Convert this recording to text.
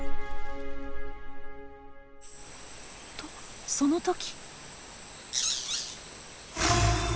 とその時。